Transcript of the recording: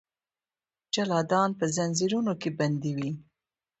جلادان به ځنځیرونو کې بندي وي.